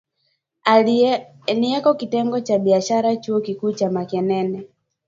aliyeko Kitengo cha Biashara Chuo Kikuu cha Makerere